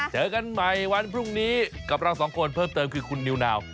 เจอกันใหม่วันพรุ่งนี้กับเราสองคนเพิ่มเติมคือคุณนิวนาว